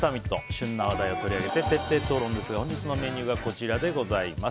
旬な話題を取り上げて徹底討論ですが本日のメニューがこちらです。